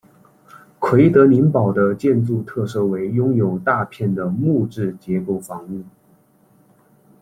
奎德林堡的建筑特色为拥有大片的木质结构房屋。